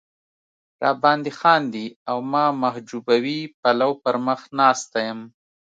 را باندې خاندي او ما محجوبوي پلو پر مخ ناسته یم.